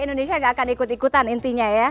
indonesia gak akan ikut ikutan intinya ya